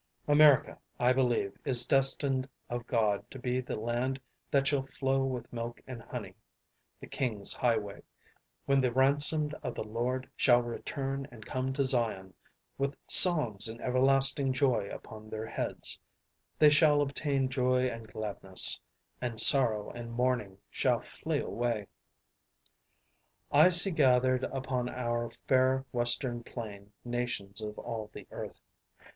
America, I believe, is destined of God to be the land that shall flow with milk and honey, the King's Highway, when the "ransomed of the Lord shall return and come to Zion with songs and everlasting joy upon their heads; they shall obtain joy and gladness, and sorrow and mourning shall flee away." I see gathered upon our fair western plain nations of all the earth.